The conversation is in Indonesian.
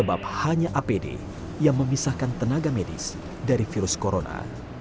apakah apd yang memisahkan tenaga medis dari virus corona